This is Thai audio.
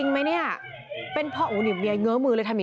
มีเหรอ